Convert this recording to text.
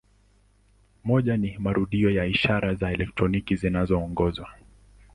Moja ni kwa marudio ya ishara za elektroniki zinazoongezwa.